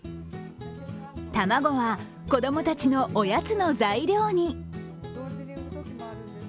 卵は子供たちのおやつの材料に。